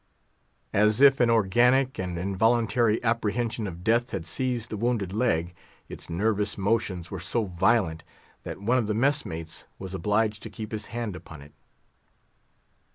As if an organic and involuntary apprehension of death had seized the wounded leg, its nervous motions were so violent that one of the mess mates was obliged to keep his hand upon it.